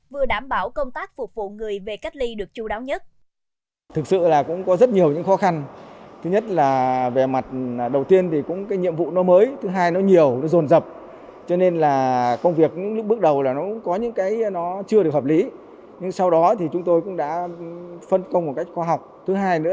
vừa đảm bảo công tác phục vụ người về cách ly được chú đáo nhất